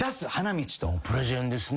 プレゼンですね。